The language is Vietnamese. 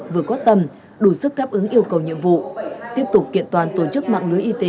vừa có tâm đủ sức đáp ứng yêu cầu nhiệm vụ tiếp tục kiện toàn tổ chức mạng lưới y tế